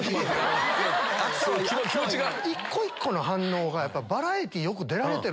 一個一個の反応が。